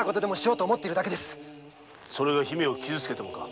それが姫を傷つけてもか？